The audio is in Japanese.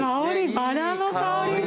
バラの香りだ！